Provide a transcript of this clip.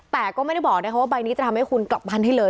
แต่ก็ไม่ได้บอกนะคะว่าใบนี้จะทำให้คุณกลับบ้านให้เลย